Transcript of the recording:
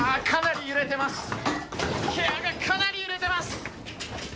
かなり揺れてます。